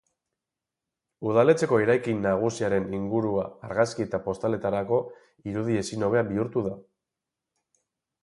Udaletxeko eraikin nagusiaren ingurua argazki eta postaletarako irudi ezin hobea bihurtu da.